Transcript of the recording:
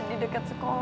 di dekat sekolah itu